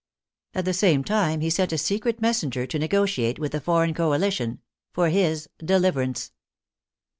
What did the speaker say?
At the same time he sent a secret messenger to negotiate with the foreign coalition — for his " deliverance."